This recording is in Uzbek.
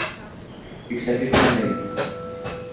Yuksaklik qanday?»